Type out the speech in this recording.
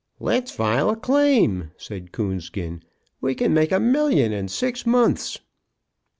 "Let's file a claim," said Coonskin, "we can make a million in six months."